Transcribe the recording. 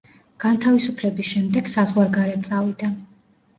განთავისუფლების შემდეგ საზღვარგარეთ წავიდა.